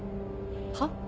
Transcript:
はっ？